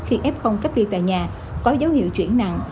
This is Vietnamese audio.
khi f cách ly tại nhà có dấu hiệu chuyển nặng